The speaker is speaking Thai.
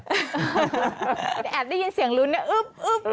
แอบได้ยินเสียงรุนนะอึบอึบอึบ